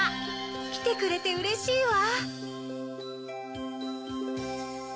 きてくれてうれしいわ。